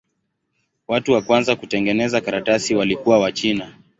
Watu wa kwanza kutengeneza karatasi walikuwa Wachina.